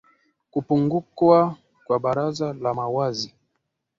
kupungua kwa baraza la mawazi